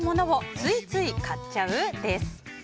○○をついつい買っちゃう？です。